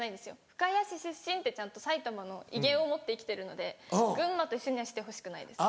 深谷市出身ってちゃんと埼玉の威厳をもって生きてるので群馬と一緒にはしてほしくないです。